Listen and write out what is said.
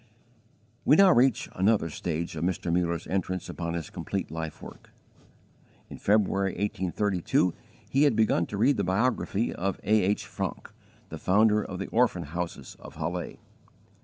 We now reach another stage of Mr. Muller's entrance upon his complete life work. In February, 1832, he had begun to read the biography of A. H. Francke, the founder of the Orphan Houses of Halle.